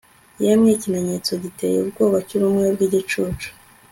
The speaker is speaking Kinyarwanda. Yemwe ikimenyetso giteye ubwoba cyubumwe bwigicucu